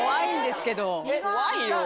怖いよ。